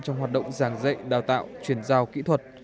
trong hoạt động giảng dạy đào tạo chuyển giao kỹ thuật